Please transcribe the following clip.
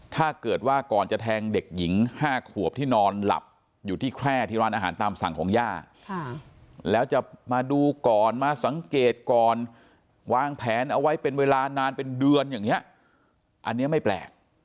ถ้าเกิดว่าก่อนจะแทงเด็กหญิง๕ขวบที่นอนหลับอยู่ที่แคร่ที่ร้านอาหารตามสั่งของย่าแล้วจะมาดูก่อนมาสังเกตก่อนวางแผนเอาไว้เป็นเวลานานเป็นเดือนอย่างนี้อันนี้ไม่แปลก